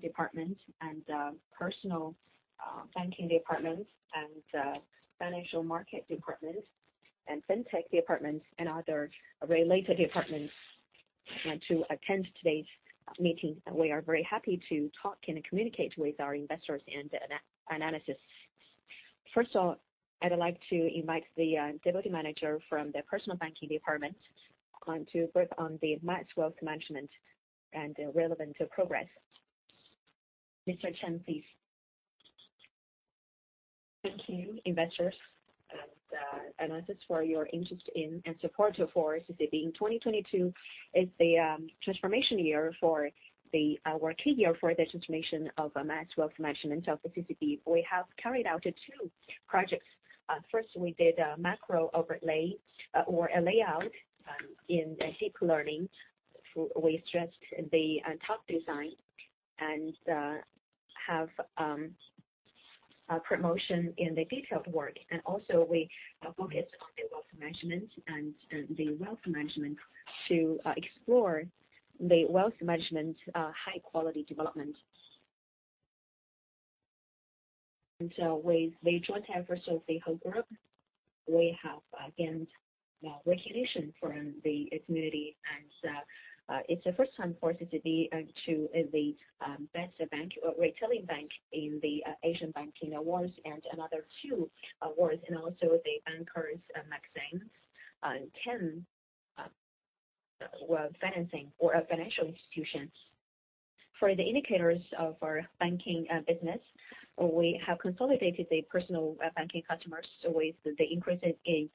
Banking department and Personal Banking Department and Financial Markets Department and Fintech Department and other related departments to attend today's meeting. We are very happy to talk and communicate with our investors and analysts. First of all, I'd like to invite the Deputy Manager from the Personal Banking Department to brief on the mass wealth management and relevant progress. Mr. Chen, please? Thank you, investors and analysts for your interest in and support for CCB. In 2022 is the transformation year for the key year for the transformation of a mass wealth management of the CCB. We have carried out two projects. First, we did a macro overlay or a layout in deep learning. We stressed the top design and have a promotion in the detailed work. We focus on the [Mass Wealth] Management and the wealth management to explore the wealth management high quality development. With the joint efforts of the whole group, we have gained recognition from the community. It's the first time for CCB to lead best bank or retailing bank in the Asian Banking & Finance Awards and another two awards, and also The Banker Magazine 10 financing or financial institutions. For the indicators of our banking business, we have consolidated the personal banking customers with the increase in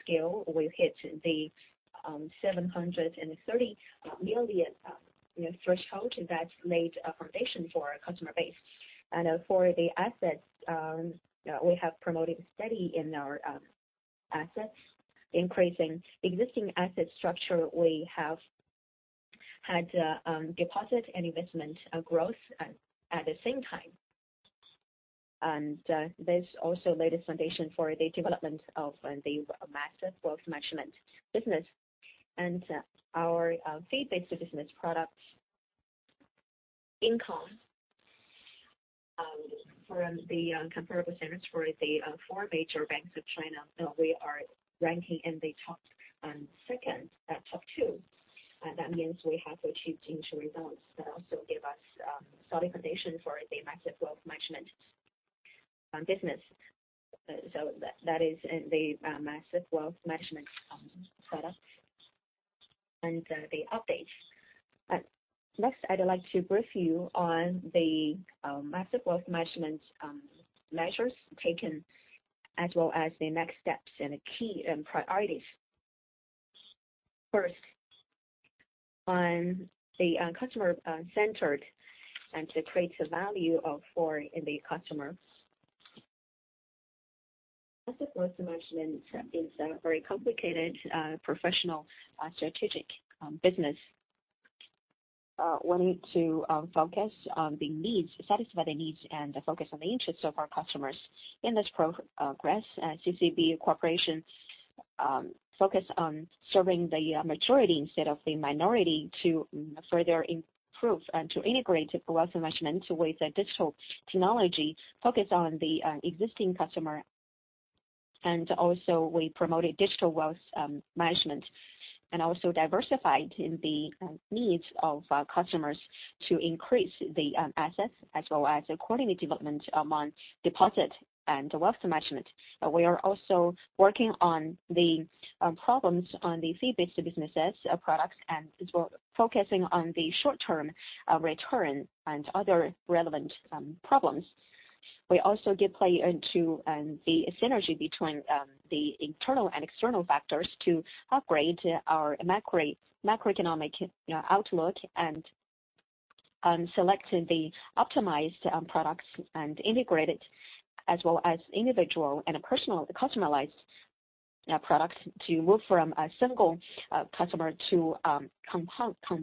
scale. We've hit the 730 million, you know, threshold that laid a foundation for customer base. For the assets, we have promoted steady in our assets, increasing existing asset structure. We have had deposit and investment growth at the same time. This also laid a foundation for the development of the Mass Wealth Management business. Our fee-based business product income from the comparable standards for the four major banks of China, we are ranking in the top second, top two. That means we have achieved initial results that also give us solid foundation for the Mass Wealth Management business. So that is the Mass Wealth Management products and the updates. Next I'd like to brief you on the Mass Wealth Management measures taken, as well as the next steps and the key and priorities. First, on the customer centered and to create the value of for the customer. Mass Wealth Management is a very complicated professional strategic business wanting to focus on the needs, satisfy the needs and focus on the interests of our customers. In this progress, CCB Corp focus on serving the majority instead of the minority to further improve and to integrate wealth management with the digital technology, focus on the existing customer. Also we promoted digital wealth management and also diversified the needs of our customers to increase the assets as well as coordinate development among deposit and wealth management. We are also working on the problems on the fee-based businesses products and as well focusing on the short-term return and other relevant problems. We also give play into the synergy between the internal and external factors to upgrade our macroeconomic outlook and select the optimized products and integrate it, as well as individual and customize products to move from a single customer to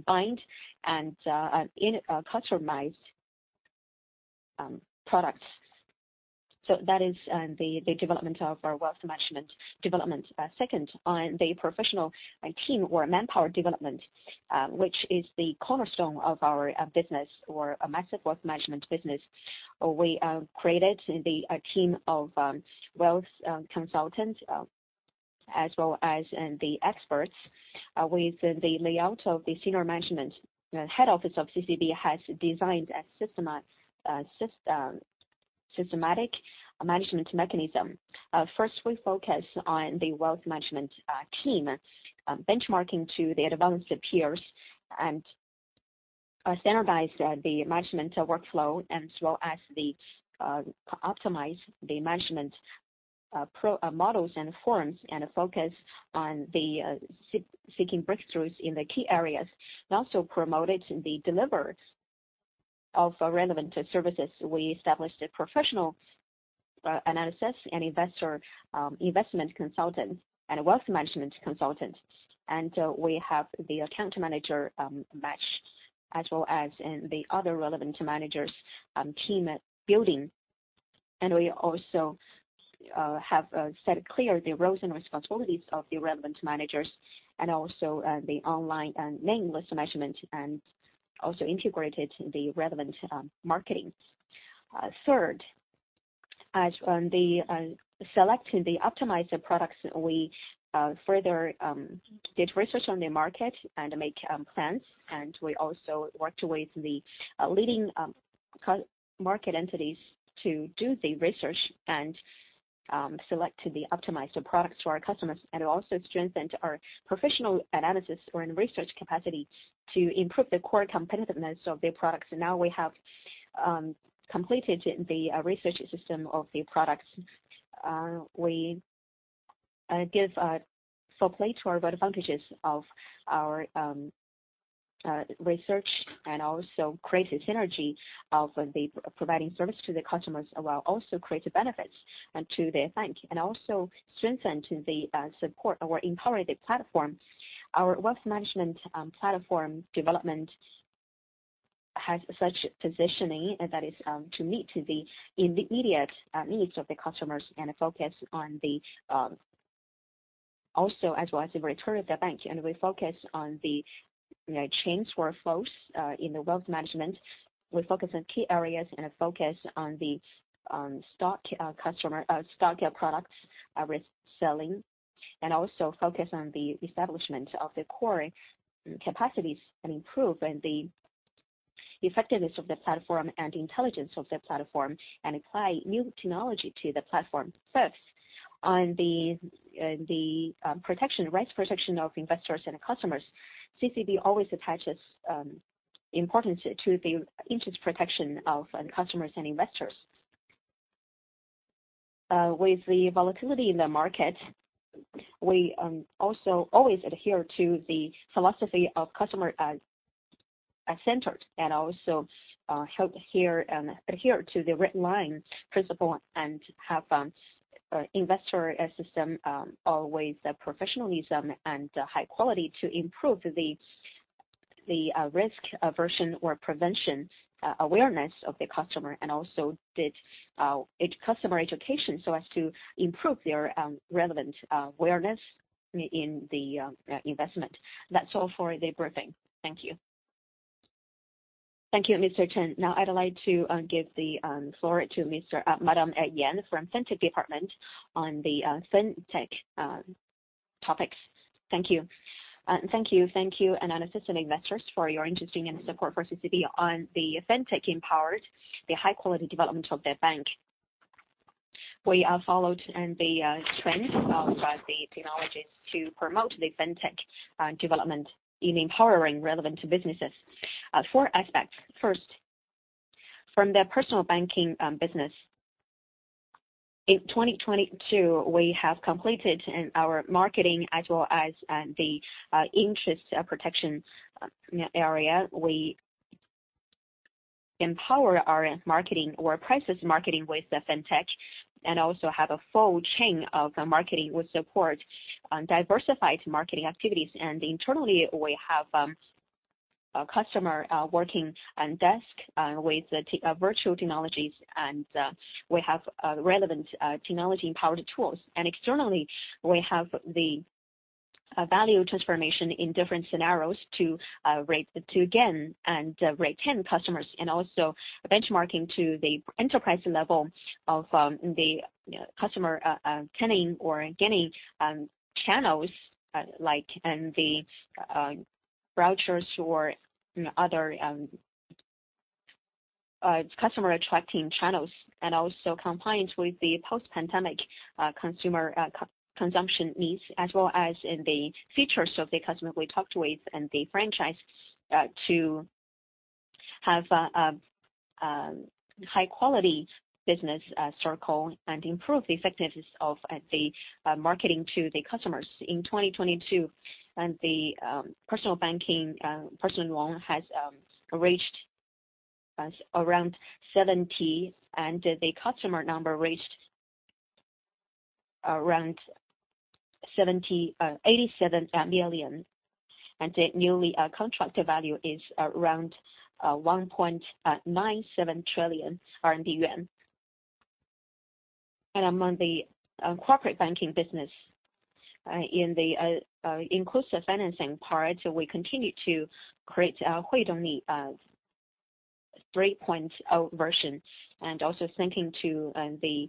combined and customized products. That is the development of our wealth management development. Second, on the professional team or manpower development, which is the cornerstone of our business or a Mass Wealth Management business. We created the team of wealth consultant as well as the experts with the layout of the senior management. The head office of CCB has designed a systematic management mechanism. First, we focus on the wealth management team, benchmarking to the advanced peers and standardize the management workflow as well as optimize the management models and forms and focus on seeking breakthroughs in the key areas, and also promoted the delivery of relevant services. We established a professional analysis and investor investment consultant and wealth management consultant. We have the account manager match as well as, and the other relevant managers, team building. We also have set clear the roles and responsibilities of the relevant managers and also the online and nameless measurement, and also integrated the relevant marketing. Third, as on the select the optimized products, we further did research on the market and make plans. We also worked with the leading market entities to do the research and select the optimized products to our customers, and also strengthened our professional analysis or in research capacity to improve the core competitiveness of the products. Now we have completed the research system of the products. We give full play to our advantages of our research and also create a synergy of the providing service to the customers, while also create the benefits and to the bank, and also strengthen to the support or empower the platform. Our wealth management platform development has such positioning, and that is to meet to the immediate needs of the customers and focus on the also as well as the return of the bank. We focus on the, you know, chains workflows in the wealth management. We focus on key areas and focus on the stockier products reselling, and also focus on the establishment of the core capacities and improve the effectiveness of the platform and the intelligence of the platform, and apply new technology to the platform. First, on the protection, rights protection of investors and customers. CCB always attaches importance to the interest protection of customers and investors. With the volatility in the market, we also always adhere to the philosophy of customer as centered and also help here and adhere to the written line principle and have investor system always professionalism and high quality to improve the risk aversion or prevention awareness of the customer, and also did customer education so as to improve their relevant awareness in the investment. That's all for the briefing. Thank you. Thank you, Mr. Chen. Now I'd like to give the floor to Madam Liang from Fintech Department on the fintech topics. Thank you. Thank you. Thank you, analysis and investors for your interesting and support for CCB on the fintech empowered, the high quality development of the bank. We are followed in the trend, as well as the technologies to promote the Fintech development in empowering relevant businesses. Four aspects. First, from the personal banking business. In 2022, we have completed in our marketing as well as the interest protection area. We empower our marketing or prices marketing with the fintech, and also have a full chain of marketing with support, diversified marketing activities. Internally, we have a customer working on desk with virtual technologies, and we have relevant technology empowered tools. Externally, we have the value transformation in different scenarios to rate the two again and rate 10 customers, also benchmarking to the enterprise level of the customer tending or gaining channels, like the brochures or other customer attracting channels, also compliance with the post-pandemic consumer consumption needs, as well as in the features of the customer we talked with and the franchise, to have a high quality business circle and improve the effectiveness of the marketing to the customers. In 2022, the personal banking personal loan has reached around 87 million. The newly contracted value is around 1.97 trillion yuan. Among the corporate banking business, in the inclusive financing part, we continue to create our Hui Dong Ni 3.0 version, also thinking to the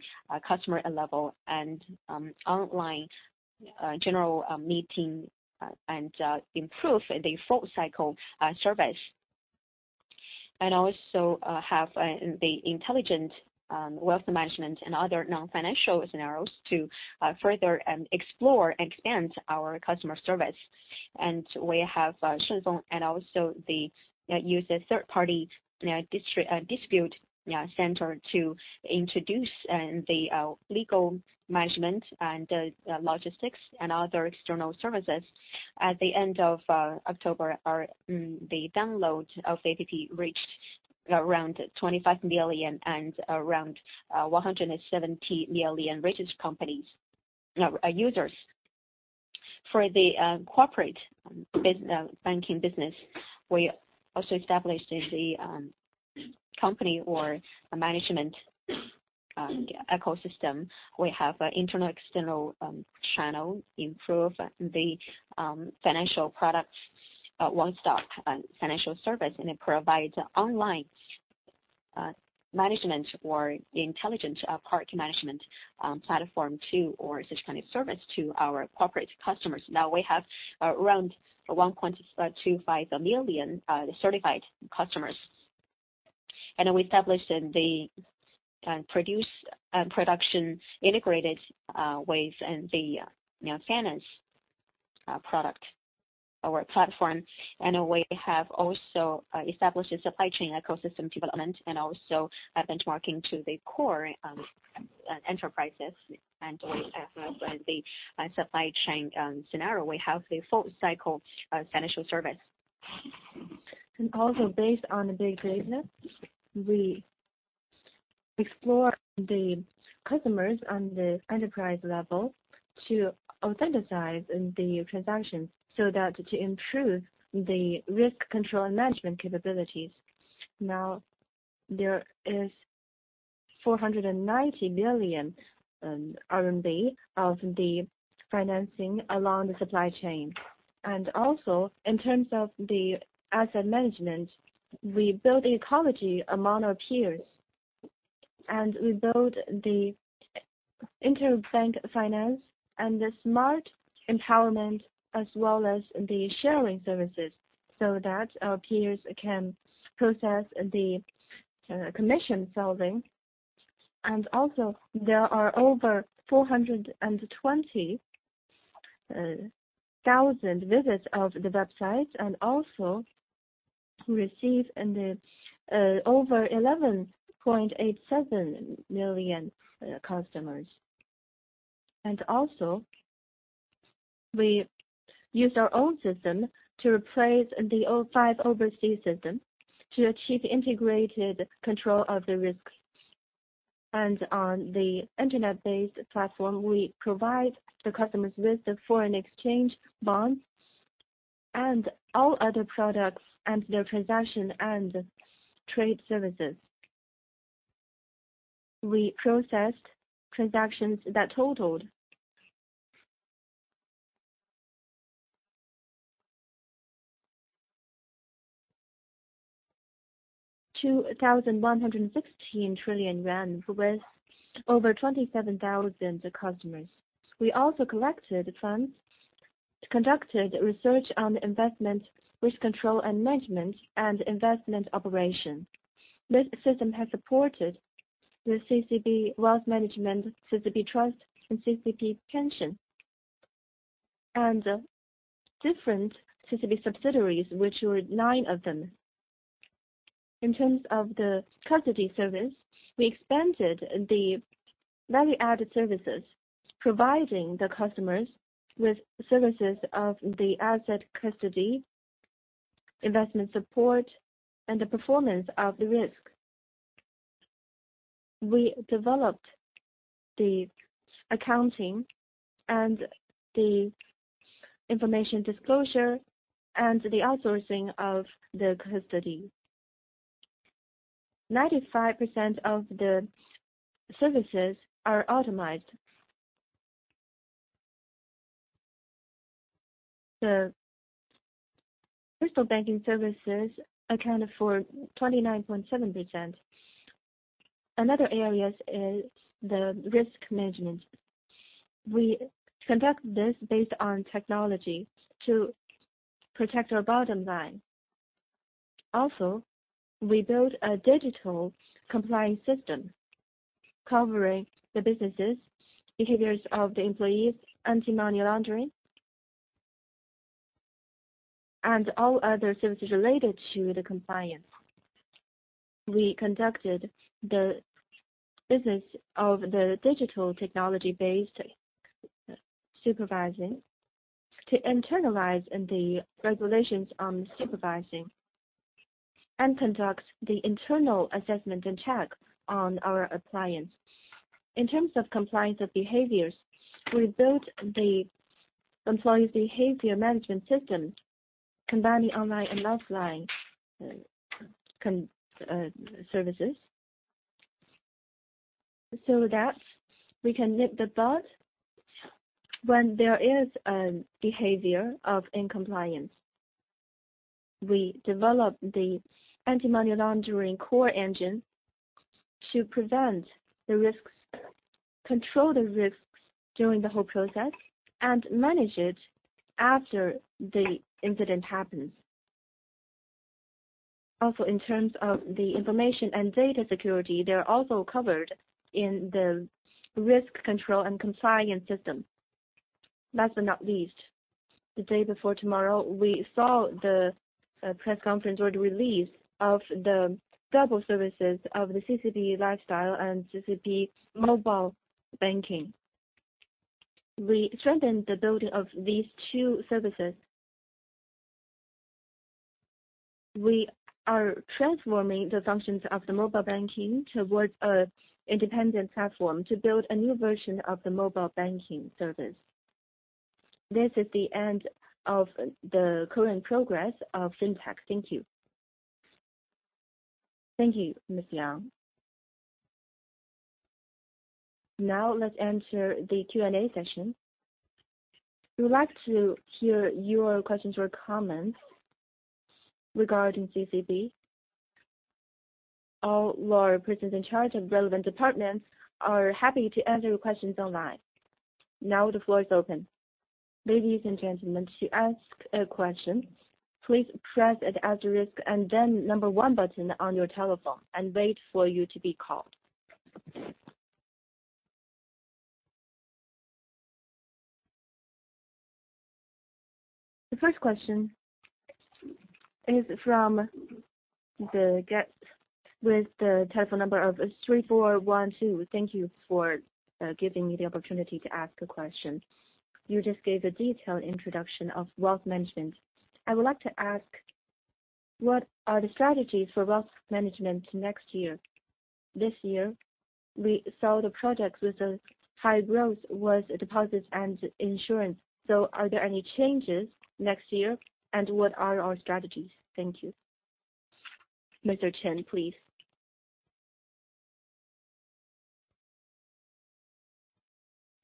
customer level and online general meeting, and improve the full cycle service. Also, have the intelligent wealth management and other non-financial scenarios to further explore and expand our customer service. We have Shunfeng and also the user third party district dispute center to introduce the legal management and logistics and other external services. At the end of October, our the download of APP reached around 25 million and around 170 million registered companies, no, users. For the corporate banking business, we also established the company or management ecosystem. We have internal, external channel improve the financial products, one-stop financial service, and it provides online management or intelligent part management platform to, or such kind of service to our corporate customers. Now, we have around 1.25 million certified customers. We established the production integrated ways and the finance product or platform. We have also established a supply chain ecosystem development and also benchmarking to the core enterprises. We have the supply chain scenario. We have the full cycle financial service. Based on the big business, we explore the customers on the enterprise level to authenticate the transactions so that to improve the risk control and management capabilities. Now, there is 490 billion RMB of the financing along the supply chain. In terms of the asset management, we build the ecology among our peers, and we build the interbank finance and the smart empowerment as well as the sharing services so that our peers can process the commission selling. There are over 420,000 visits of the website, and also receive in the over 11.87 million customers. We use our own system to replace the old five overseas system to achieve integrated control of the risks. On the internet-based platform, we provide the customers with the foreign exchange bonds and all other products and their transaction and trade services. We processed transactions that totaled 2,116 trillion yuan, with over 27,000 customers. We also collected funds, conducted research on investment risk control and management and investment operations. This system has supported the CCB Wealth Management, CCB Trust, and CCB Pension, and different CCB subsidiaries, which were nine of them. In terms of the custody service, we expanded the value-added services, providing the customers with services of the asset custody, investment support, and the performance of the risk. We developed the accounting and the information disclosure and the outsourcing of the custody. 95% of the services are automated. The personal banking services accounted for 29.7%. Another areas is the risk management. We conduct this based on technology to protect our bottom line. We built a digital compliance system covering the businesses, behaviors of the employees, anti-money laundering, and all other services related to the compliance. We conducted the business of the digital technology-based supervising to internalize the regulations on supervising and conduct the internal assessment and check on our compliance. In terms of compliance of behaviors, we built the employees behavior management system combining online and offline services, so that we can nip the bud when there is a behavior of non-compliance. We developed the anti-money laundering core engine to prevent the risks, control the risks during the whole process, and manage it after the incident happens. In terms of the information and data security, they are also covered in the risk control and compliance system. Last but not least, the day before tomorrow, we saw the press conference or the release of the double services of the CCB Lifestyle and CCB Mobile Banking. We strengthened the building of these two services. We are transforming the functions of the mobile banking towards a independent platform to build a new version of the mobile banking service. This is the end of the current progress of fintech. Thank you. Thank you, Ms. Liang. Let's enter the Q&A session. We would like to hear your questions or comments regarding CCB. All our persons in charge of relevant departments are happy to answer your questions online. The floor is open. Ladies and gentlemen, to ask a question, please press the asterisk and then number one button on your telephone and wait for you to be called. The first question is from the guest with the telephone number of 3412. Thank you for giving me the opportunity to ask a question. You just gave a detailed introduction of wealth management. I would like to ask, what are the strategies for wealth management next year? This year, we saw the products with a high growth was deposits and insurance. Are there any changes next year? What are our strategies? Thank you. Mr. Chen, please?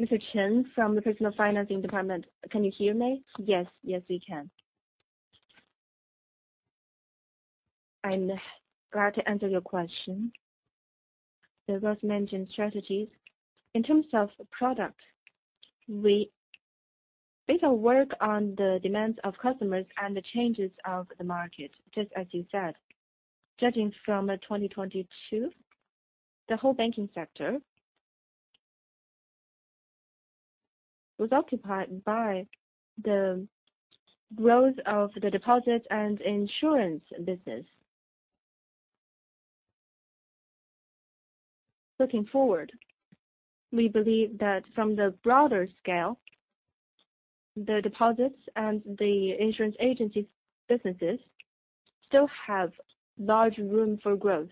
Mr. Chen from the Personal Financing Department. Can you hear me? Yes, we can. I'm glad to answer your question. The wealth management strategies. In terms of product, based on work on the demands of customers and the changes of the market, just as you said, judging from 2022, the whole banking sector was occupied by the growth of the deposit and insurance business. Looking forward, we believe that from the broader scale, the deposits and the insurance agencies businesses still have large room for growth.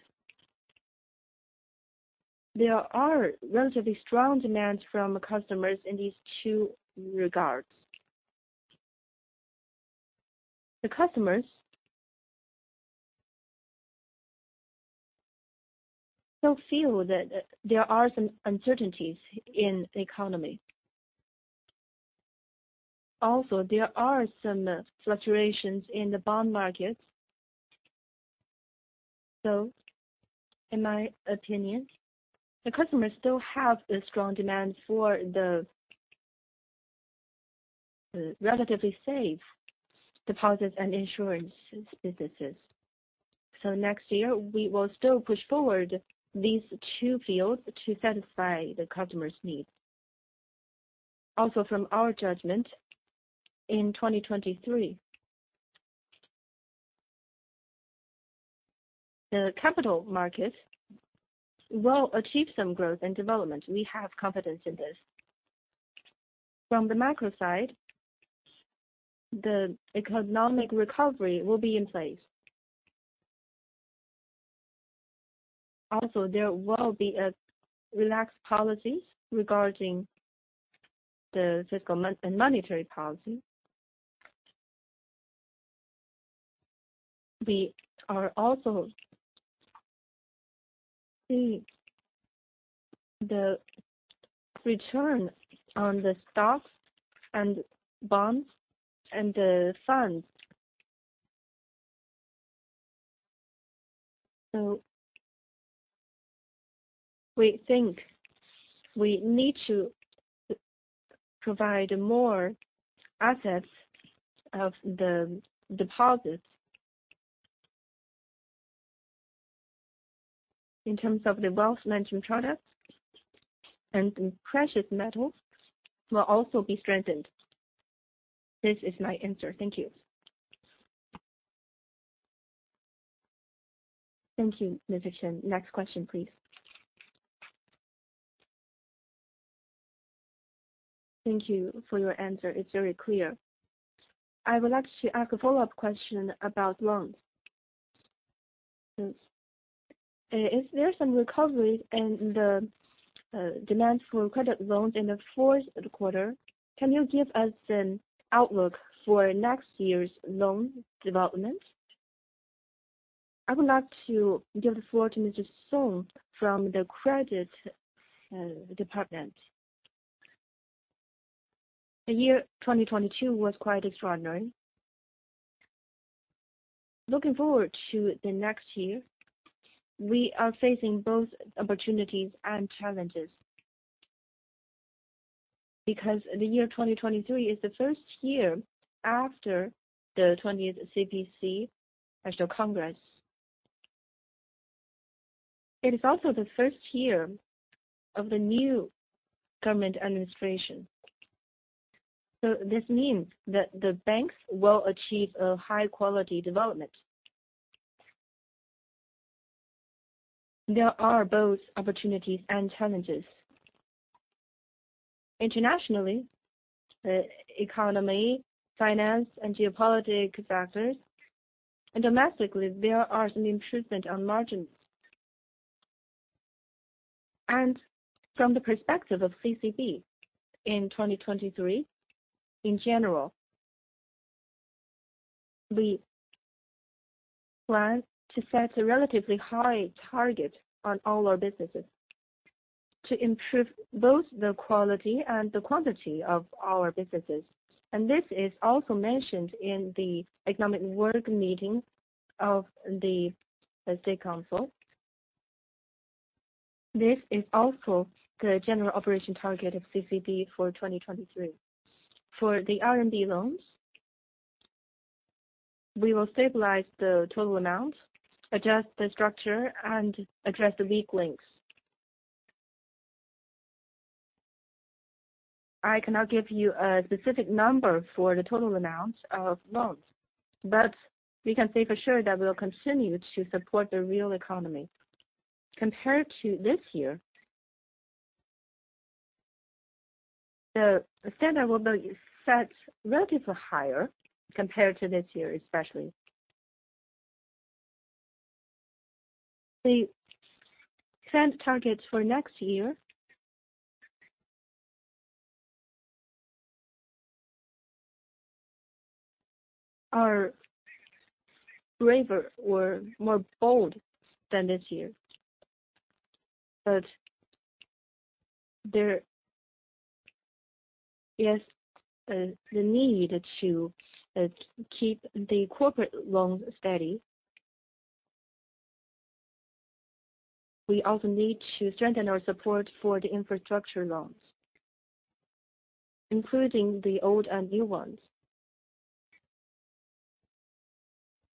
There are relatively strong demands from customers in these two regards. The customers still feel that there are some uncertainties in the economy. There are some fluctuations in the bond market. In my opinion, the customers still have a strong demand for the relatively safe deposits and insurance businesses. Next year we will still push forward these two fields to satisfy the customer's needs. From our judgment, in 2023, the capital market will achieve some growth and development. We have confidence in this. From the macro side, the economic recovery will be in place. There will be a relaxed policies regarding the fiscal and monetary policy. We are also seeing the return on the stocks and bonds and the funds. We think we need to provide more assets of the deposits in terms of the wealth management products, and precious metals will also be strengthened. This is my answer. Thank you. Thank you, Mr. Chen. Next question, please. Thank you for your answer. It is very clear. I would like to ask a follow-up question about loans. Is there some recovery in the demand for credit loans in the fourth quarter? Can you give us an outlook for next year's loan development? I would like to give the floor to Mr. Song from the Credit Department. The year 2022 was quite extraordinary. Looking forward to the next year, we are facing both opportunities and challenges because the year 2023 is the first year after the 20th CPC National Congress. It is also the first year of the new government administration. This means that the banks will achieve a high quality development. There are both opportunities and challenges. Internationally, the economy, finance, and geopolitical factors, and domestically, there are an improvement on margins. From the perspective of CCB in 2023, in general, we plan to set a relatively high target on all our businesses to improve both the quality and the quantity of our businesses. This is also mentioned in the Economic Work Meeting of the State Council. This is also the general operation target of CCB for 2023. For the RMB loans, we will stabilize the total amount, adjust the structure, and address the weak links. I cannot give you a specific number for the total amount of loans, but we can say for sure that we'll continue to support the real economy. Compared to this year... The standard will be set relatively higher compared to this year, especially. The trend targets for next year are braver or more bold than this year. There is the need to keep the corporate loans steady. We also need to strengthen our support for the infrastructure loans, including the old and new ones.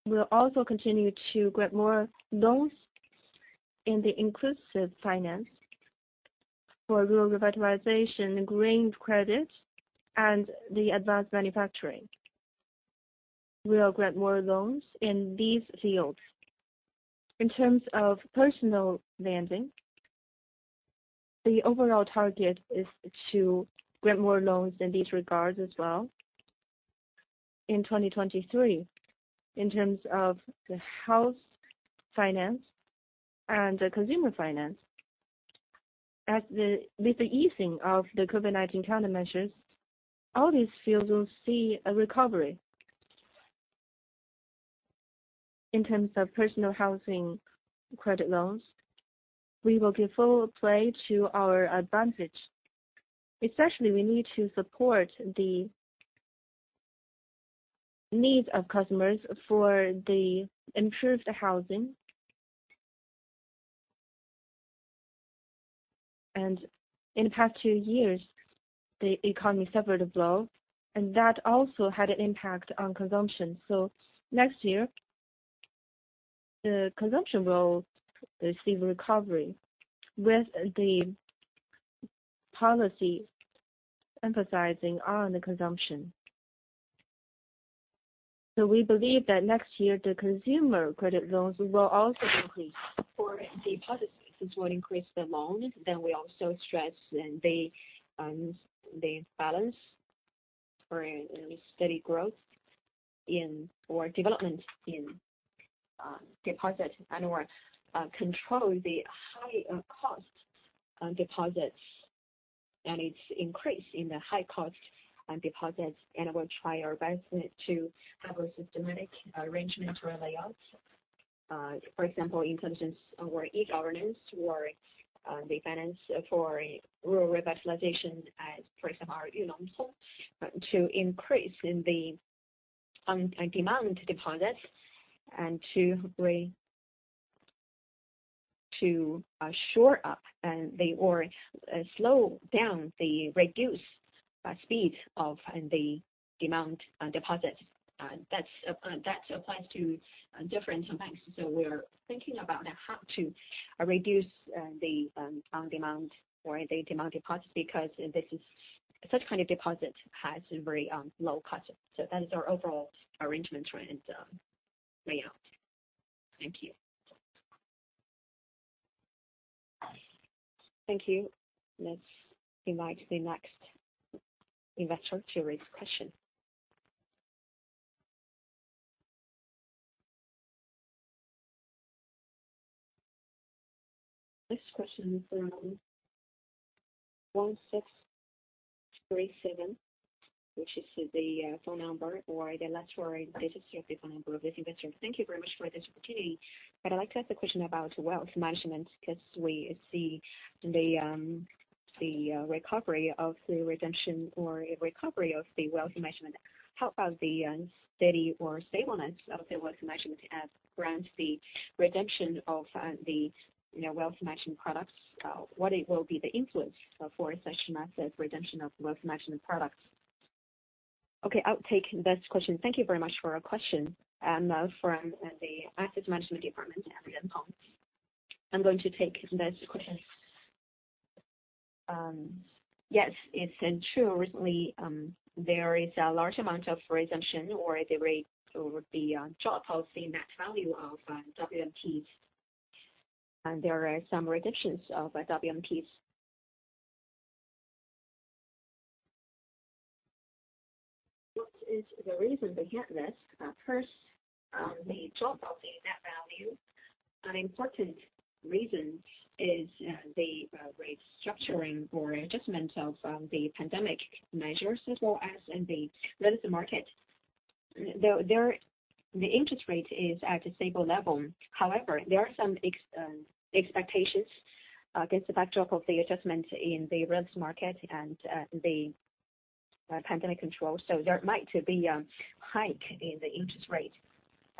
We'll also continue to grant more loans in the inclusive finance for rural revitalization, green credit, and the advanced manufacturing. We'll grant more loans in these fields. In terms of personal lending, the overall target is to grant more loans in these regards as well in 2023. In terms of the house finance and the consumer finance. With the easing of the COVID-19 countermeasures, all these fields will see a recovery. In terms of personal housing credit loans, we will give full play to our advantage. Especially, we need to support the needs of customers for the improved housing. In the past two years, the economy suffered a blow, and that also had an impact on consumption. Next year, the consumption will see recovery with the policy emphasizing on the consumption. We believe that next year, the consumer credit loans will also increase. For deposits, since we'll increase the loans, then we also stress in the balance for a steady growth or development in deposit and/or control the high cost deposits, and its increase in the high cost deposits. We'll try our best to have a systematic arrangement or a layout. For example, in terms of our e-governance or the finance for rural revitalization as for example, our Yunongtong, to increase in the demand deposits and to shore up or slow down the reduce speed of the demand deposits. That's that applies to different banks. We're thinking about how to reduce the demand or the demand deposits because such kind of deposit has a very low cost. That is our overall arrangement and layout. Thank you. Thank you. Let's invite the next investor to raise question. Next question from 1637, which is the phone number or the electronic registered phone number of this investor. Thank you very much for this opportunity. I'd like to ask a question about wealth management because we see the recovery of the redemption or recovery of the wealth management. How about the steady or stability of the wealth management as grants the redemption of the, you know, wealth management products? What it will be the influence for such massive redemption of wealth management products? Okay, I'll take that question. Thank you very much for your question, from the Asset Management Department, Cheng Yuanguo. I'm going to take that question. Yes, it's been true recently, there is a large amount of resumption or the rate over the drop of the net value of WMPs. There are some redemptions of WMPs. What is the reason behind this? First, the drop of the net value, an important reason is the rate structuring or adjustment of the pandemic measures as well as in the registered market. The interest rate is at a stable level. However, there are some expectations against the backdrop of the adjustment in the rents market and the pandemic control. There might be hike in the interest rate.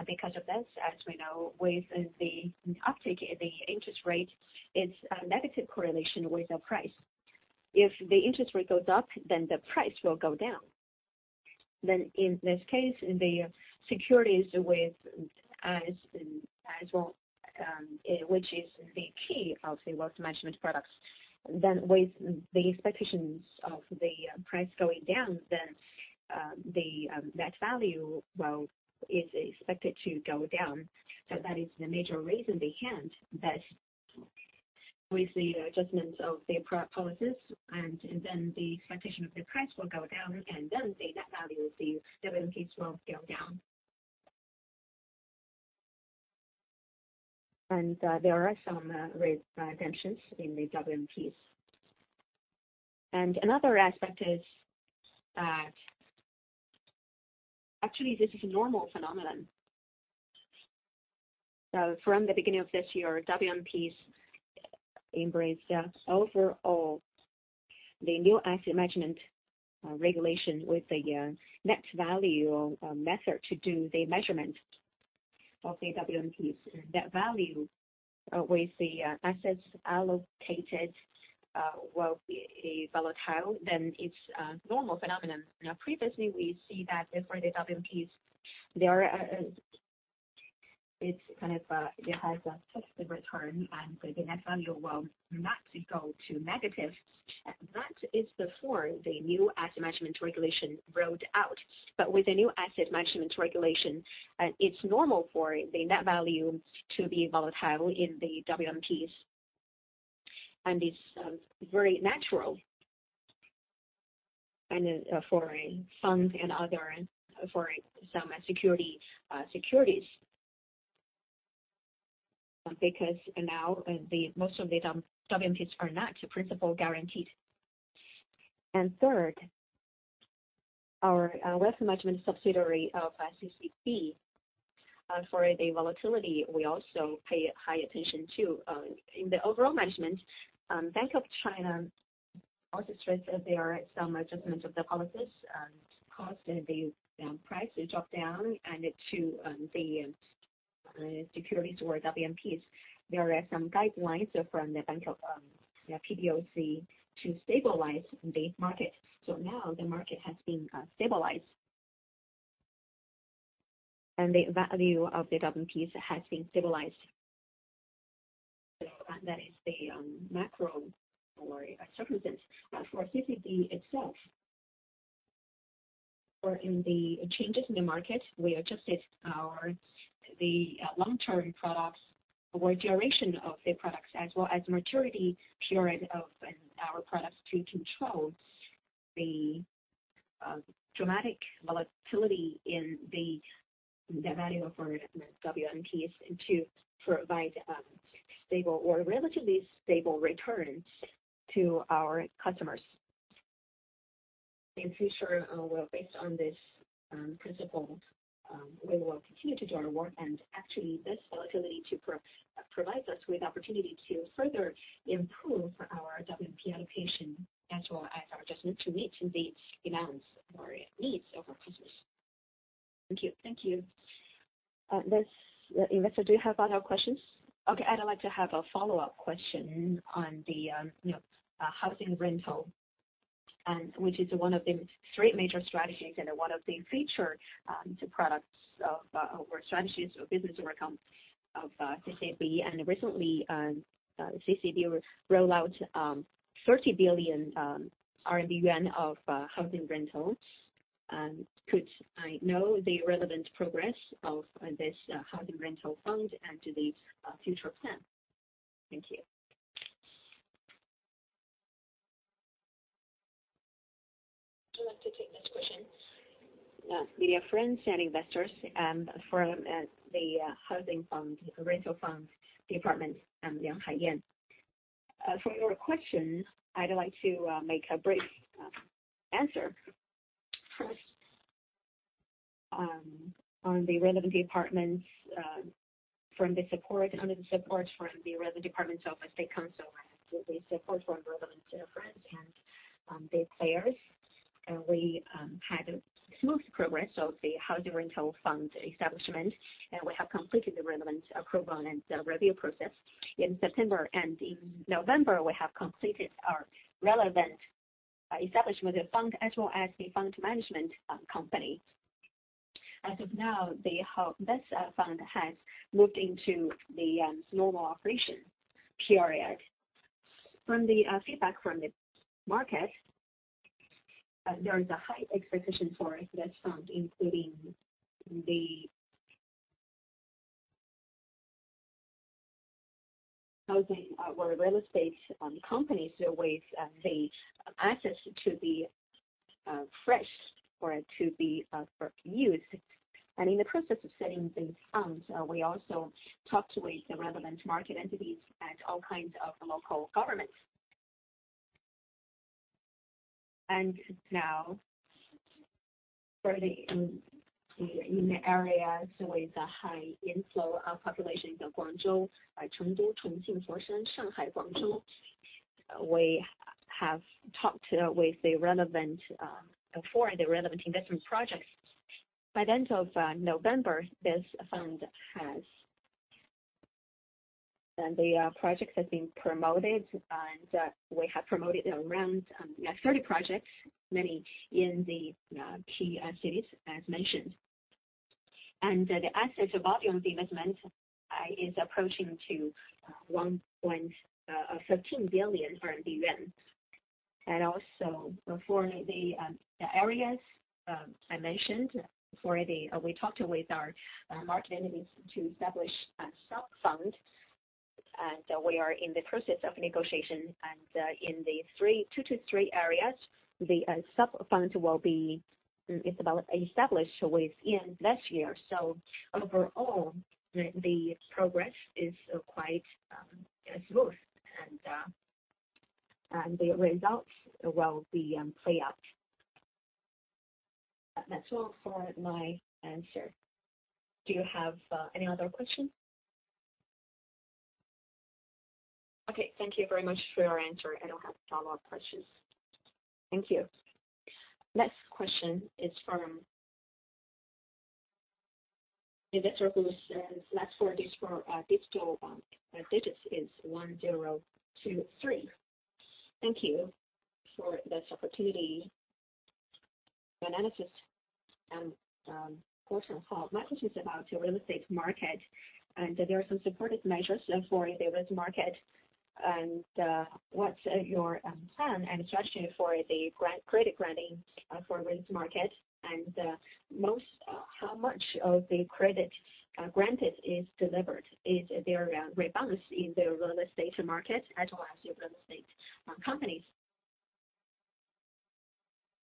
Because of this, as we know, with the uptick in the interest rate, it's a negative correlation with the price. If the interest rate goes up, then the price will go down. In this case, the securities as well, which is the key of the wealth management products, with the expectations of the price going down, the net value, well, is expected to go down. That is the major reason behind that with the adjustments of the pro- policies the expectation of the price will go down, the net value of the WMPs will go down. There are some redemptions in the WMPs. Another aspect is that actually this is a normal phenomenon. From the beginning of this year, WMPs embraced overall the new asset management regulation with the net value method to do the measurement of the WMPs. Net value with the assets allocated will be volatile than its normal phenomenon. Previously, we see that for the WMPs, it has a fixed return, and the net value will not go to negative. That is before the new asset management regulation rolled out. With the new asset management regulation, it's normal for the net value to be volatile in the WMPs. It's very natural for some security, securities. Because now, the most of the WMPs are not principal guaranteed. Third, our Wealth Management Subsidiary of CCB, for the volatility, we also pay high attention to in the overall management. Bank of China also stressed that there are some adjustments of the policies caused the price to drop down and to the securities or WMPs. There are some guidelines from the Bank of the- PBOC to stabilize the market. Now the market has been stabilized. The value of the WMPs has been stabilized. That is the macro or circumstance. For CCB itself, for in the changes in the market, we adjusted our, the long-term products or duration of the products as well as maturity period of our products to control the dramatic volatility in the value of our WMPs and to provide stable or relatively stable returns to our customers. In future, well, based on this principle, we will continue to do our work. Actually, this volatility provides us with opportunity to further improve our WMP allocation as well as our adjustment to meet the demands or needs of our customers. Thank you. Thank you. Investor, do you have other questions? Okay. I'd like to have a follow-up question on the, you know, housing rental and which is one of the three major strategies and one of the featured products of our strategies or business outcome of CCB. Recently, CCB rolled out 30 billion yuan of housing rental. Could I know the relevant progress of this housing rental fund and the future plan? Thank you. Who would like to take this question? Dear friends and investors, for the Housing Fund, Rental Fund Department, I'm Liang Haiyan. For your question, I'd like to make a brief answer. First, on the relevant departments, from the support, under the support from the relevant departments of the State Council and the support from relevant friends and the players, we had a smooth progress of the housing rental fund establishment, and we have completed the relevant approval and review process. In September and in November, we have completed our relevant establishment of fund as well as the fund management company. As of now, this fund has moved into the normal operation period. From the feedback from the market, there is a high expectation for this fund, including the housing or real estate companies with the access to be fresh or to be for use. In the process of setting these funds, we also talk to with the relevant market entities and all kinds of local governments. Now, for the areas with a high inflow of population in Guangzhou, like Chengdu, Chongqing, Foshan, Shanghai, Guangzhou, we have talked with the relevant for the relevant investment projects. By the end of November, the projects have been promoted, and we have promoted around 30 projects, many in the key cities, as mentioned. The assets volume of the investment is approaching to 1.13 billion yuan. For the areas I mentioned. We talked with our market entities to establish a sub-fund, we are in the process of negotiation. In the three, two-three areas, the sub-fund will be established within this year. Overall, the progress is quite smooth, the results will be play out. That's all for my answer. Do you have any other questions? Okay. Thank you very much for your answer. I don't have follow-up questions. Thank you. Next question is from investor who says last four digital digits is 1023. Thank you for this opportunity. My name is [Fortune Hou]. My question is about your real estate market. There are some supportive measures for the real estate market. What's your plan and strategy for the grant, credit granting for real estate market? How much of the credit granted is delivered? Is there a rebound in the real estate market as well as your real estate companies?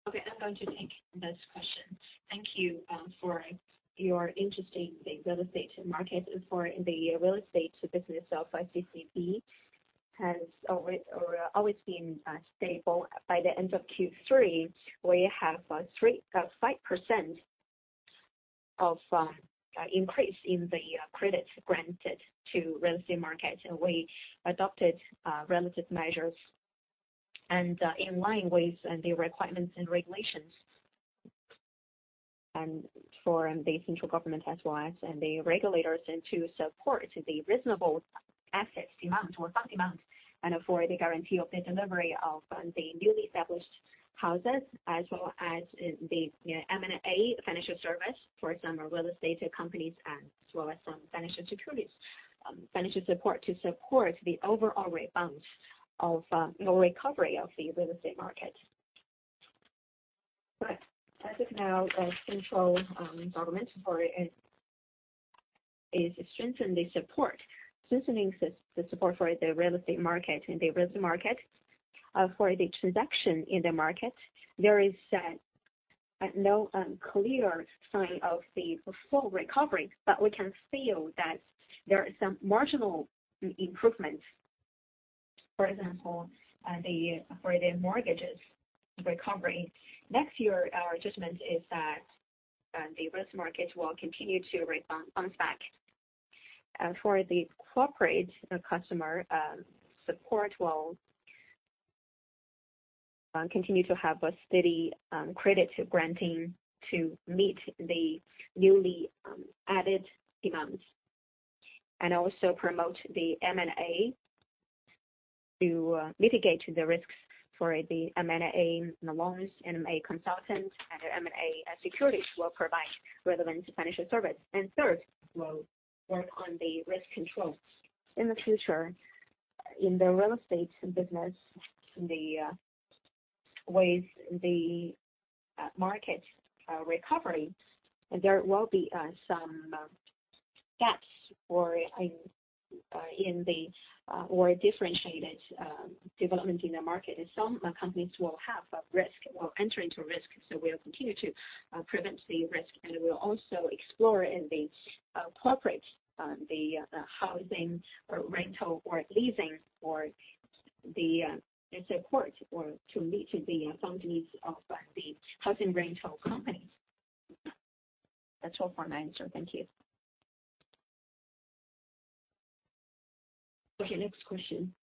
Okay, I'm going to take this question. Thank you for your interest in the real estate market. For the real estate business of CCB has always been stable. By the end of Q3, we have 3.5% of increase in the credits granted to real estate market. We adopted, relative measures and, in line with the requirements and regulations, and for the central government as well as, and the regulators, and to support the reasonable assets demand or fund demand. For the guarantee of the delivery of the newly established houses, as well as the M&A financial service, for example, real estate companies and as well as some financial securities, financial support to support the overall rebound of or recovery of the real estate market. As of now, the central government for is strengthen the support, strengthening the support for the real estate market and the real estate market. For the transaction in the market, there is no clear sign of the full recovery, but we can feel that there are some marginal improvements. For example, the for the mortgages recovery. Next year, our judgment is that the real estate market will continue to rebound, bounce back. For the corporate customer, support will continue to have a steady credit granting to meet the newly added demands. Also promote the M&A to mitigate the risks for the M&A loans, M&A consultants and M&A securities will provide relevant financial service. Third, we'll work on the risk control. In the future, in the real estate business, with the market recovery, there will be some gaps or differentiated development in the market. Some companies will have a risk or enter into risk, so we'll continue to prevent the risk. We'll also explore in the corporate the housing or rental or leasing or the support or to meet the fund needs of the housing rental companies. That's all for my answer. Thank you. Next question.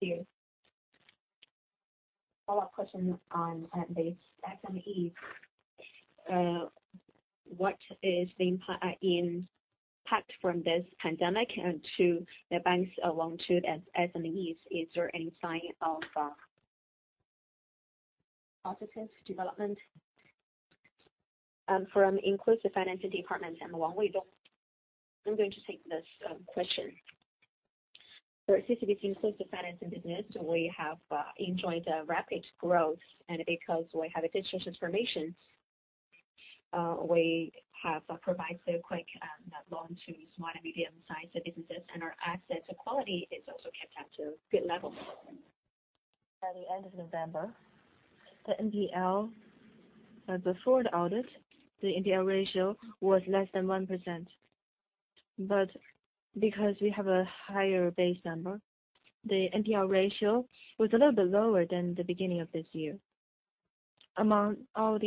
Thank you. Follow-up question on the SMEs. What is the impact from this pandemic and to the banks along to the SMEs? Is there any sign of positive development? From Inclusive Financing Department, I'm Wang Weidong. I'm going to take this question. For CCB's inclusive financing business, we have enjoyed a rapid growth. Because we have a digital transformation, we have provided a quick loan to small and medium-sized businesses, and our assets quality is also kept at a good level. By the end of November, before the audit, the NPL ratio was less than 1%. Because we have a higher base number, the NPL ratio was a little bit lower than the beginning of this year. Among all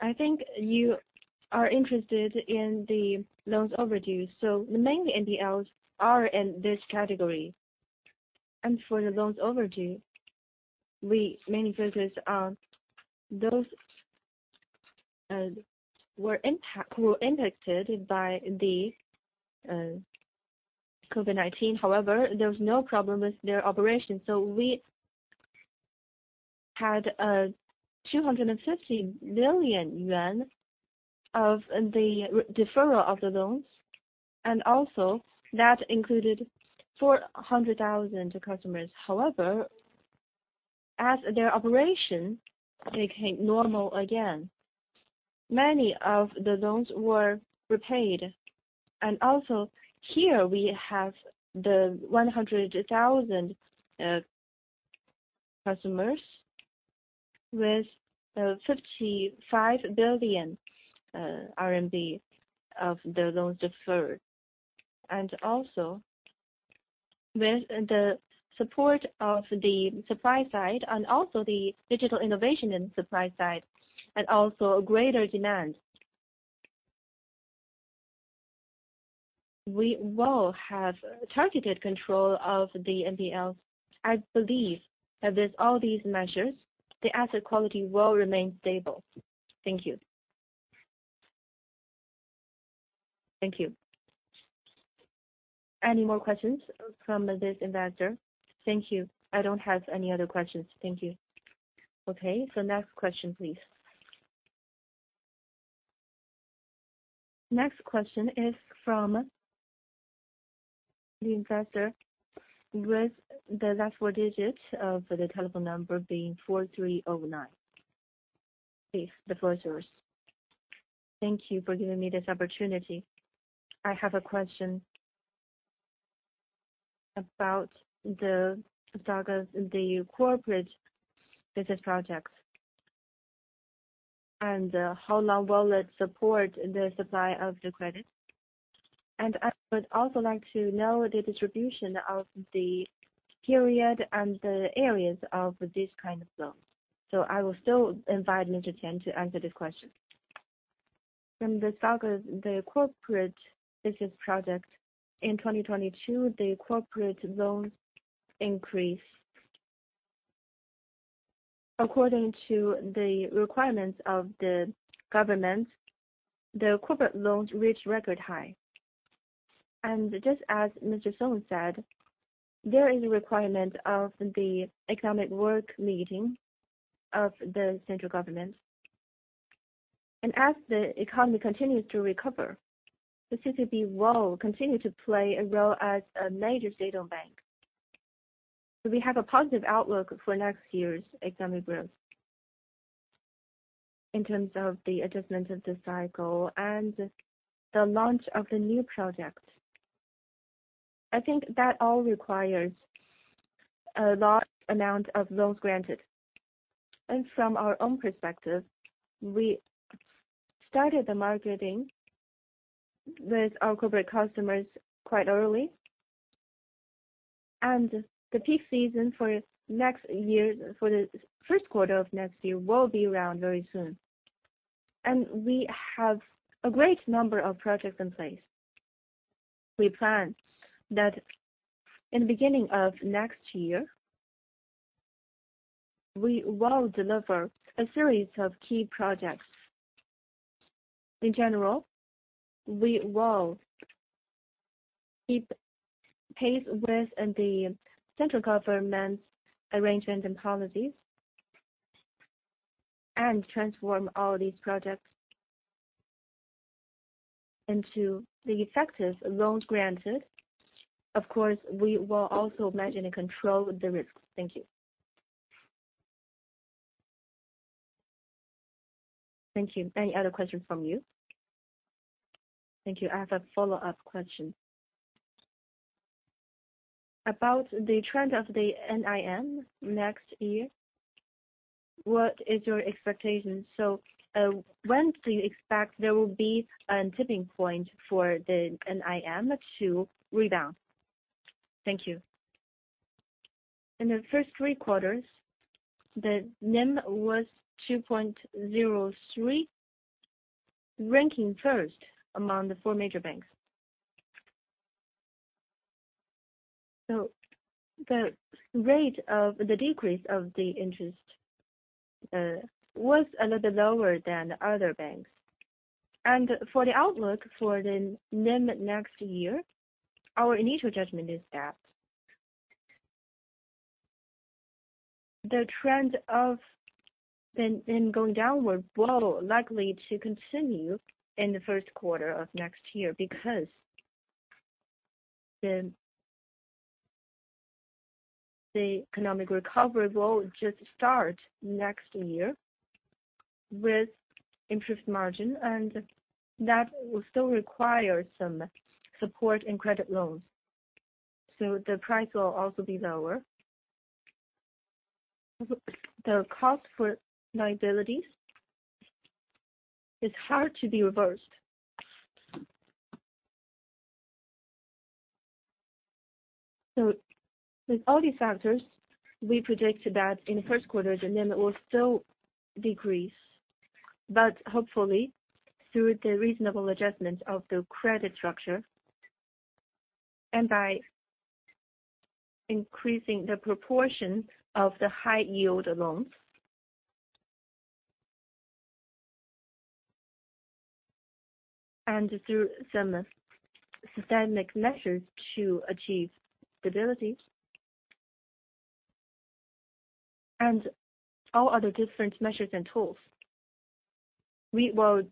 the assets, I think you are interested in the loans overdue, so the main NPLs are in this category. For the loans overdue, we mainly focus on those who were impacted by the COVID-19. However, there was no problem with their operations. We had 250 billion yuan of the deferral of the loans, and also that included 400,000 customers. However, as their operation became normal again, many of the loans were repaid. Here we have the 100,000 customers with RMB 55 billion of the loans deferred. With the support of the supply side and also the digital innovation in supply side and also greater demand, we will have targeted control of the NPL. I believe that with all these measures, the asset quality will remain stable. Thank you. Thank you. Any more questions from this investor? Thank you. I don't have any other questions. Thank you. Next question please. Next question is from the investor with the last four digits of the telephone number being 4309. Please, the floor is yours. Thank you for giving me this opportunity. I have a question about the progress of the corporate business projects, how long will it support the supply of the credit? I would also like to know the distribution of the period and the areas of this kind of loans. I will still invite Mr. Sheng to answer this question. From the progress the corporate business project in 2022, the corporate loans increased. According to the requirements of the government, the corporate loans reached record high. Just as Mr. Song said, there is a requirement of the Central Economic Work Conference. As the economy continues to recover, the CCB will continue to play a role as a major state-owned bank. We have a positive outlook for next year's economic growth. In terms of the adjustment of the cycle and the launch of the new project, I think that all requires a large amount of loans granted. From our own perspective, we started the marketing with our corporate customers quite early. The peak season for next year, for the first quarter of next year, will be around very soon. We have a great number of projects in place. We plan that in the beginning of next year, we will deliver a series of key projects. In general, we will keep pace with the central government's arrangement and policies and transform all these projects into the effective loans granted. Of course, we will also manage and control the risks. Thank you. Thank you. Any other questions from you? Thank you. I have a follow-up question. About the trend of the NIM next year, what is your expectation? When do you expect there will be a tipping point for the NIM to rebound? Thank you. In the first three quarters, the NIM was 2.03, ranking first among the four major banks. The rate of the decrease of the interest was a little lower than the other banks. For the outlook for the NIM next year, our initial judgment is that the trend of going downward will likely to continue in the first quarter of next year, because the economic recovery will just start next year with interest margin, and that will still require some support and credit loans. The price will also be lower. The cost for liabilities is hard to be reversed. With all these factors, we predicted that in the first quarter, the NIM will still decrease. Hopefully, through the reasonable adjustments of the credit structure and by increasing the proportion of the high-yield loans. Through some systemic measures to achieve stability. All other different measures and tools, we will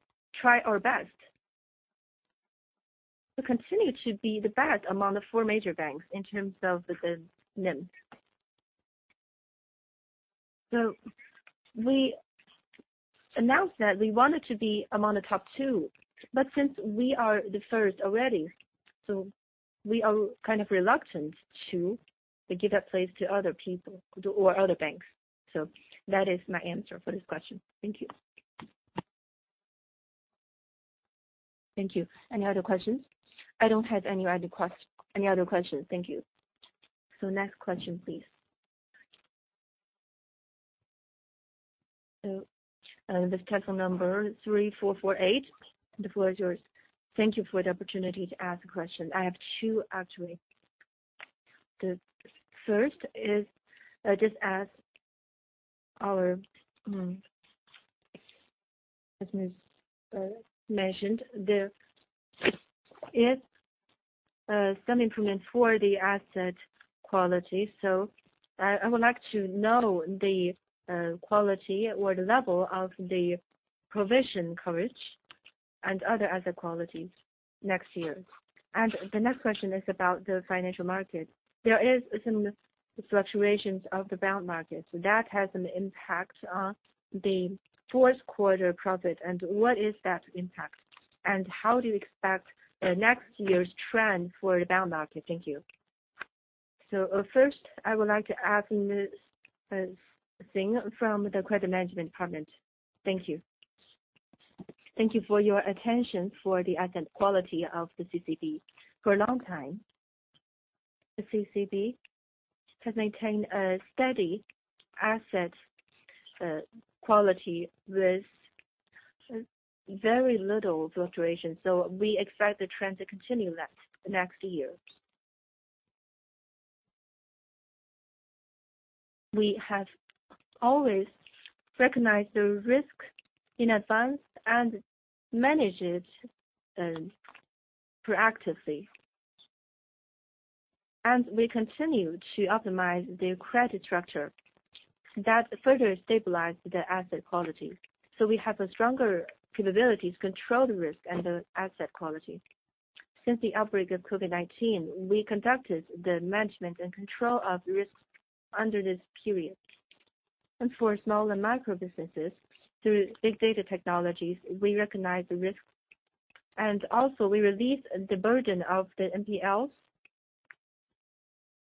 try our best to continue to be the best among the four major banks in terms of the NIM. We announced that we wanted to be among the top two, since we are the first already, we are kind of reluctant to give that place to other people or other banks. That is my answer for this question. Thank you. Thank you. Any other questions? I don't have any other questions. Thank you. Next question, please. This telephone number 3448, the floor is yours. Thank you for the opportunity to ask a question. I have two actually. The first is just ask our business mentioned. There is some improvement for the asset quality. I would like to know the quality or the level of the provision coverage and other asset qualities next year? The next question is about the financial market. There is some fluctuations of the bond market. That has an impact on the fourth quarter profit. What is that impact, and how do you expect next year's trend for the bond market? Thank you. First, I would like to ask Miss Xing from the Credit Management Department. Thank you. Thank you for your attention for the asset quality of the CCB. For a long time, the CCB has maintained a steady asset quality with very little fluctuation. We expect the trend to continue that next year. We have always recognized the risk in advance and managed it proactively. We continue to optimize the credit structure that further stabilize the asset quality. We have stronger capabilities to control the risk and the asset quality. Since the outbreak of COVID-19, we conducted the management and control of risk under this period. For small and micro businesses, through big data technologies, we recognize the risk. Also we released the burden of the NPLs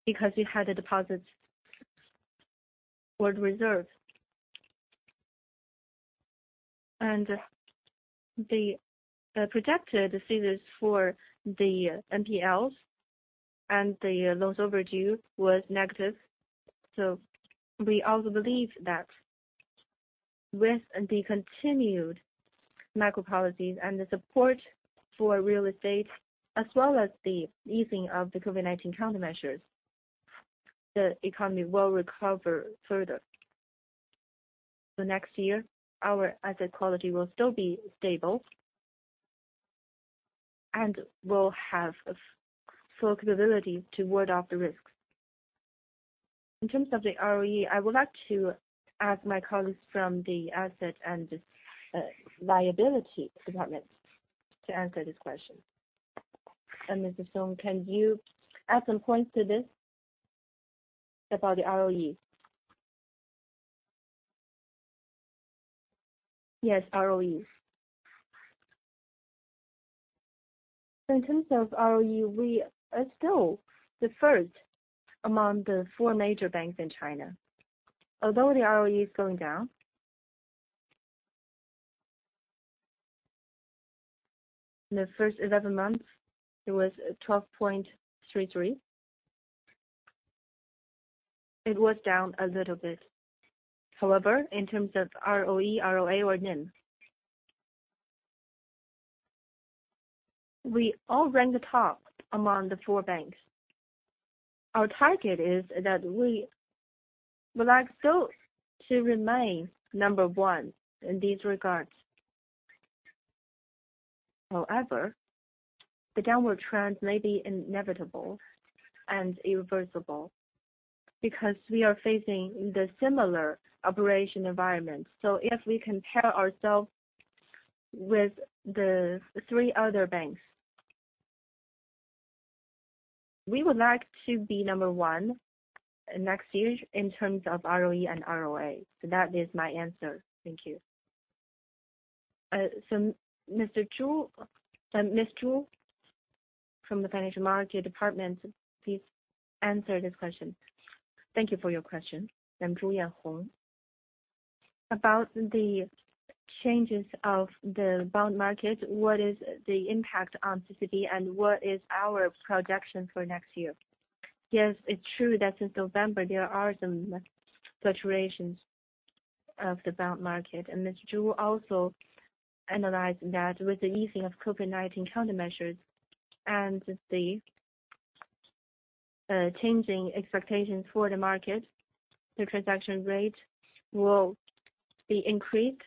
because we had the deposits for the reserve. The projected figures for the NPLs and the loans overdue was negative. We also believe that with the continued macro policies and the support for real estate, as well as the easing of the COVID-19 countermeasures, the economy will recover further. Next year, our asset quality will still be stable and will have a full capability to ward off the risks. In terms of the ROE, I would like to ask my colleagues from the asset and liability department to answer this question. Mr. Song, can you add some points to this about the ROE? Yes, ROE. In terms of ROE, we are still the first among the four major banks in China. Although the ROE is going down. In the first 11 months, it was 12.33%. It was down a little bit. However, in terms of ROE, ROA or NIM, we all rank the top among the four banks. Our target is that we would like those to remain number one in these regards. However, the downward trend may be inevitable and irreversible because we are facing the similar operation environment. If we compare ourselves with the three other banks, we would like to be number one next year in terms of ROE and ROA. That is my answer. Thank you. Ms. Chu, from the Financial Monitoring Department, please answer this question. Thank you for your question. I'm Chu Yanhong. About the changes of the bond market, what is the impact on CCB and what is our projection for next year? It's true that since November, there are some fluctuations of the bond market. Ms. Chu also analyzed that with the easing of COVID-19 countermeasures and the changing expectations for the market, the transaction rate will be increased.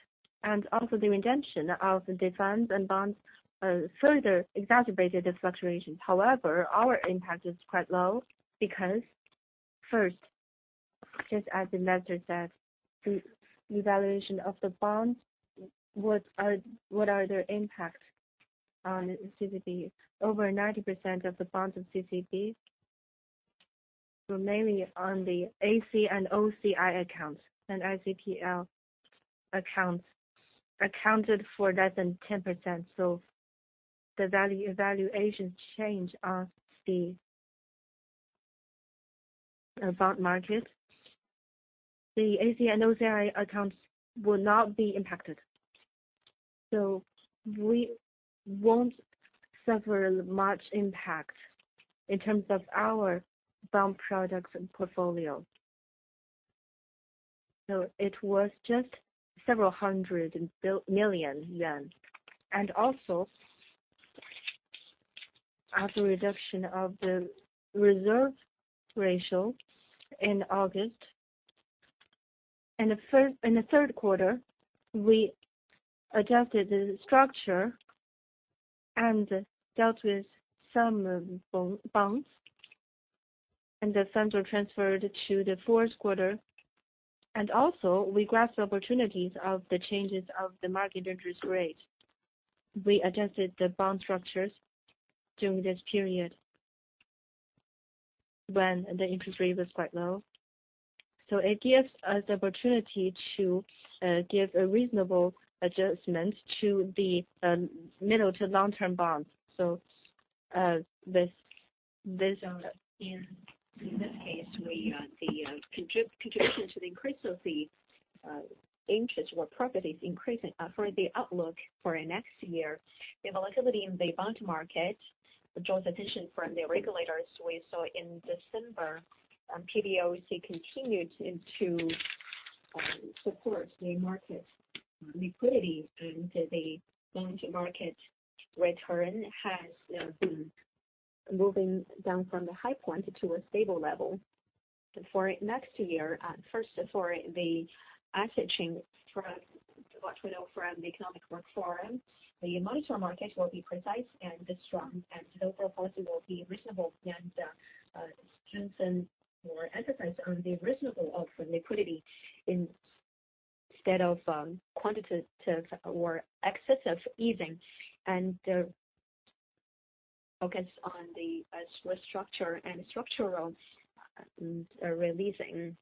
Also the redemption of the defense and bonds further exacerbated the fluctuations. However, our impact is quite low because first, just as the minister said, the evaluation of the bonds, what are their impacts on CCB? Over 90% of the bonds of CCB were mainly on the AC and OCI accounts, and FVTPL accounts accounted for less than 10%. The value evaluation change on the bond market, the AC and OCI accounts will not be impacted. We won't suffer much impact in terms of our bond products and portfolio. It was just several hundred million yuan. Also, after reduction of the reserve ratio in August, in the third quarter, we adjusted the structure and dealt with some bonds, and the funds were transferred to the fourth quarter. Also, we grasped opportunities of the changes of the market interest rate. We adjusted the bond structures during this period when the interest rate was quite low. It gives us the opportunity to give a reasonable adjustment to the middle to long-term bonds. This, in this case, we the contribution to the increase of the interest or properties increasing. For the outlook for next year, the volatility in the bond market draws attention from the regulators. We saw in December, PBOC continued into support the market liquidity into the bond market return has been moving down from the high point to a stable level. For next year, first, for the asset chain from what we know from the Central Economic Work Conference, the monetary market will be precise and strong, and the overall policy will be reasonable and strengthen more enterprise on the reasonable of the liquidity instead of quantitative or excessive easing and focus on the structure and structural releasing.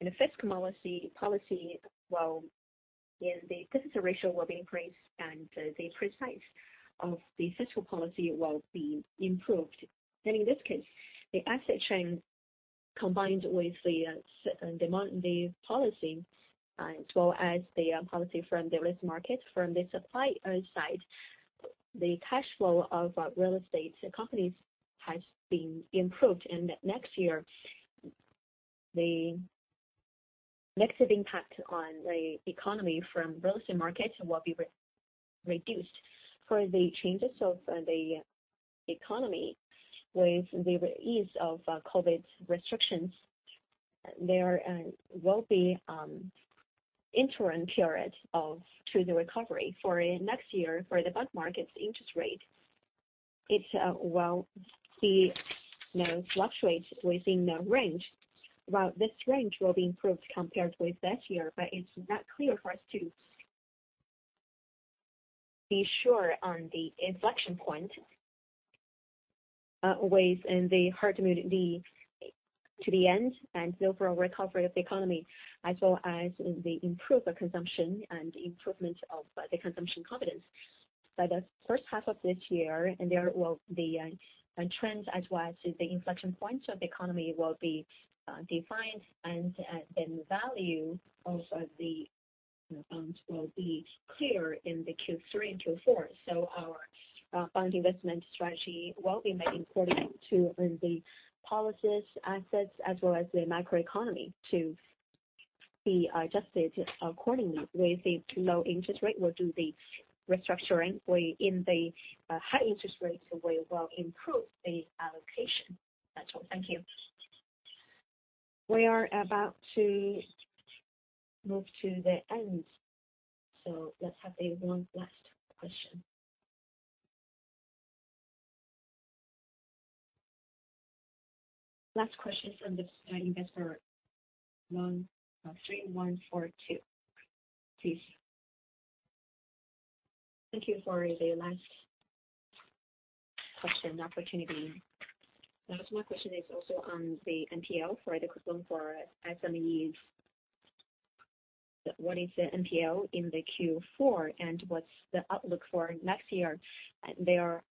In the fiscal policy, well, in the deficit ratio will be increased and the precise of the fiscal policy will be improved. In this case, the asset chain combined with the demand policy, as well as the policy from the risk market. From the supply outside, the cash flow of real estate companies has been improved. Next year, the negative impact on the economy from real estate market will be re-reduced. The changes of the economy with the ease of COVID restrictions, there will be interim period of to the recovery. Next year, for the bond market interest rate, it will be, you know, fluctuate within a range. This range will be improved compared with last year, but it's not clear for us to be sure on the inflection point with in the herd immunity to the end and overall recovery of the economy, as well as the improved consumption and improvement of the consumption confidence. By the first half of this year, there will be a trend as well as the inflection points of the economy will be defined and the value of. The funds will be clear in the Q3 and Q4. Our fund investment strategy will be made important to the policies, assets, as well as the microeconomy to be adjusted accordingly. With the low interest rate, we'll do the restructuring. In the high interest rates, we will improve the allocation. That's all. Thank you. We are about to move to the end. Let's have a one last question. Last question from the investor 3142. Please? Thank you for the last question opportunity. Yes, my question is also on the NPL for the quick loan for SMEs. What is the NPL in the Q4? What's the outlook for next year? There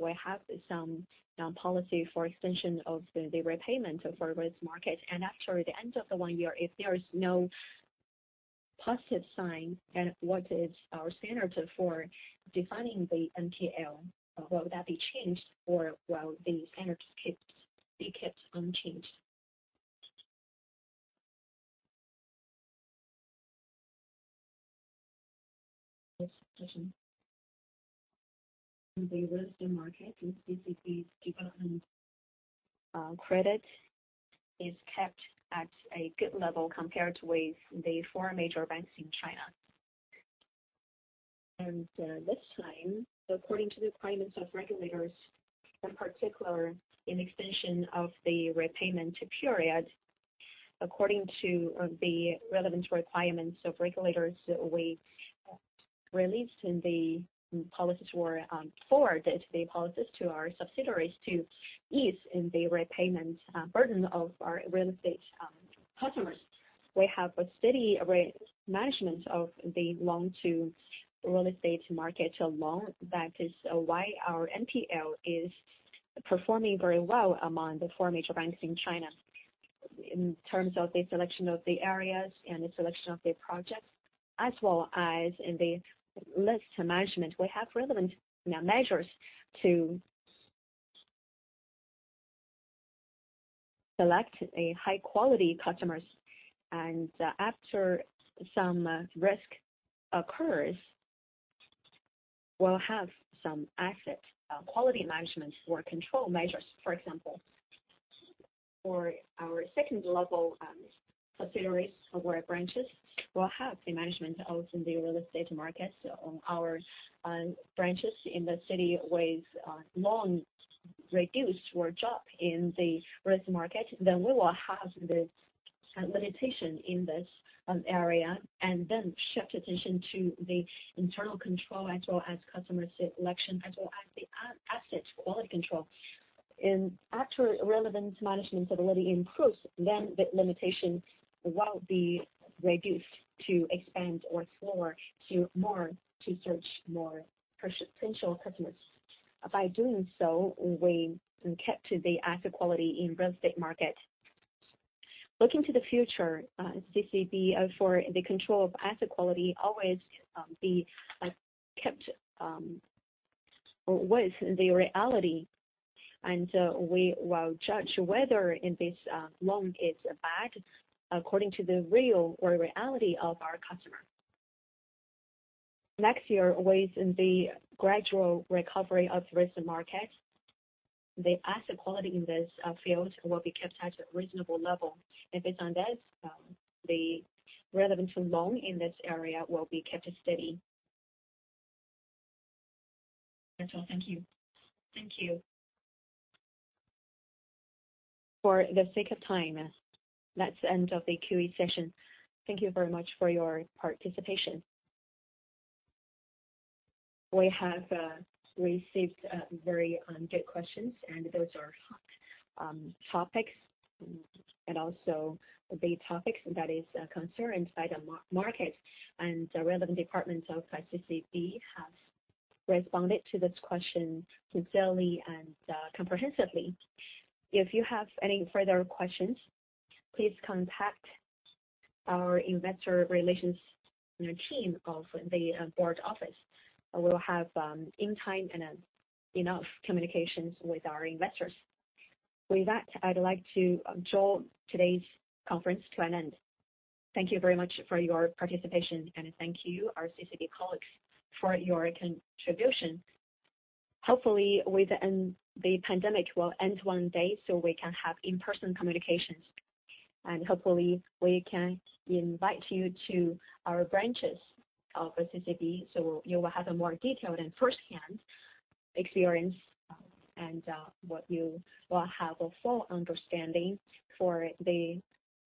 we have some policy for extension of the repayment for risk market. After the end of the one year, if there is no positive sign, then what is our standard for defining the NPL? Will that be changed or will the standard be kept unchanged? Yes. In the recent market, CCB's development, credit is kept at a good level compared with the four major banks in China. This time, according to the requirements of regulators, in particular, in extension of the repayment period, according to the relevant requirements of regulators, we released in the policies or forward the policies to our subsidiaries to ease in the repayment burden of our real estate customers. We have a steady management of the loan to real estate market loan. That is why our NPL is performing very well among the four major banks in China. In terms of the selection of the areas and the selection of the project as well as in the list management, we have relevant now measures to select a high quality customers. After some risk occurs, we'll have some asset quality management or control measures. For example, for our second level subsidiaries or branches, we'll have the management also in the real estate market on our branches in the city with loan reduced or drop in the risk market, we will have the limitation in this area and then shift attention to the internal control as well as customer selection as well as the asset quality control. After relevant management ability improves, the limitations will be reduced to expand or explore to search more potential customers. By doing so, we kept the asset quality in real estate market. Looking to the future, CCB for the control of asset quality always be kept with the reality, we will judge whether in this loan is bad according to the reality of our customer. Next year, with the gradual recovery of risk market, the asset quality in this field will be kept at a reasonable level. Based on this, the relevant loan in this area will be kept steady. That's all. Thank you. Thank you. For the sake of time, that's end of the Q&A session. Thank you very much for your participation. We have received very good questions, those are topics and also the topics that is concerned by the market. Relevant departments of CCB have responded to this question sincerely and comprehensively. If you have any further questions, please contact our investor relations team of the board office. We'll have in time and enough communications with our investors. With that, I'd like to draw today's conference to an end. Thank you very much for your participation, and thank you, our CCB colleagues, for your contribution. Hopefully, with the pandemic will end one day, so we can have in-person communications. Hopefully, we can invite you to our branches of CCB, so you will have a more detailed and firsthand experience, and what you will have a full understanding for the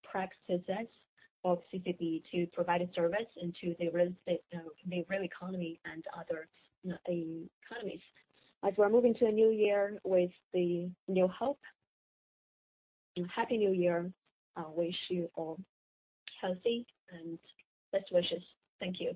practices of CCB to provide a service into the real estate, the real economy and other economies. We are moving to a New Year with the new hope, happy New Year. I wish you all healthy and best wishes. Thank you.